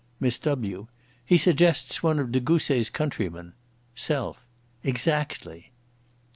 MISS W.: "He suggests one of Dégousse's countrymen." SELF: "Exactly!"